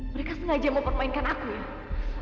mereka sengaja mau permainkan aku ya